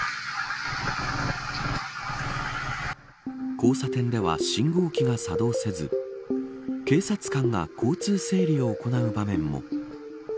交差点では信号機が作動せず警察官が交通整理を行う場面も。